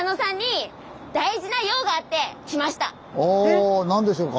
お何でしょうか。